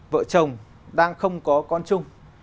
vợ chồng đang không có con chung